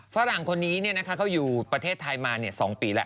ฝรั่งคนนี้เขาอยู่ประเทศไทยมา๒ปีแล้ว